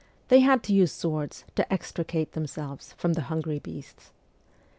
They had to use swords to extricate themselves from the hungry beasts.